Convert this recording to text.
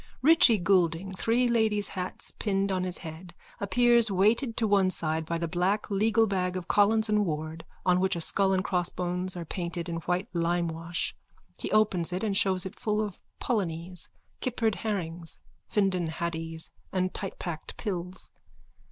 _(Richie Goulding, three ladies' hats pinned on his head, appears weighted to one side by the black legal bag of Collis and Ward on which a skull and crossbones are painted in white limewash. He opens it and shows it full of polonies, kippered herrings, Findon haddies and tightpacked pills.)